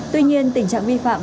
tuy nhiên tình trạng vi phạm